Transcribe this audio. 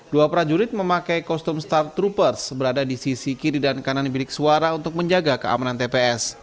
dua prajurit memakai kostum start troopers berada di sisi kiri dan kanan bilik suara untuk menjaga keamanan tps